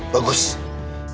bagus kita kesana